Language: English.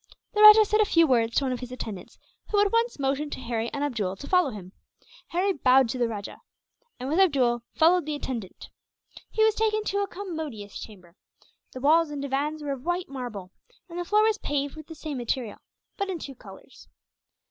The rajah said a few words to one of his attendants, who at once motioned to Harry and Abdool to follow him. Harry bowed to the rajah and, with Abdool, followed the attendant. He was taken to a commodious chamber. The walls and divans were of white marble; and the floor was paved with the same material, but in two colours.